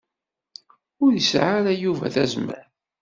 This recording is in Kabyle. Ur yesɛi ara Yuba tazmert.